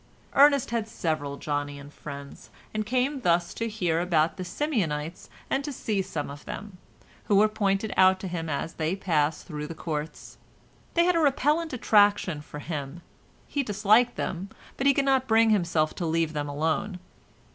Ernest had several Johnian friends, and came thus to hear about the Simeonites and to see some of them, who were pointed out to him as they passed through the courts. They had a repellent attraction for him; he disliked them, but he could not bring himself to leave them alone.